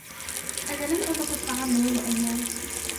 أنا لم أذُقِ الطعامَ منذُ أيامٍ.